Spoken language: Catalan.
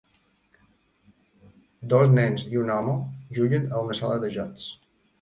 Dos nens i un home juguen a una sala de jocs.